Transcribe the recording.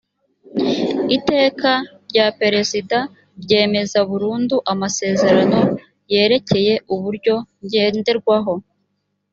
iteka rya perezida ryemeza burundu amasezerano yerekeye uburyo ngenderwaho